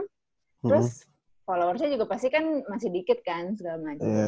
terus followersnya juga pasti kan masih dikit kan segala macem